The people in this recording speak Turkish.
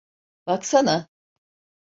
Baksana.